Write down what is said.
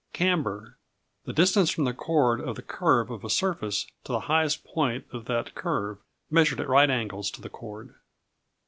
C Camber The distance from the chord of the curve of a surface to the highest point of that curve, measured at right angles to the chord.